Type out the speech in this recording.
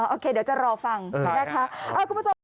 โอเคเดี๋ยวจะรอฟังนะคะคุณผู้ชม